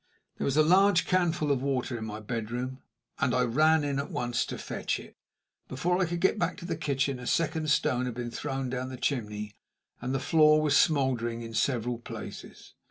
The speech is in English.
There was a large canful of water in my bedroom, and I ran in at once to fetch it. Before I could get back to the kitchen a second stone had been thrown down the chimney, and the floor was smoldering in several places.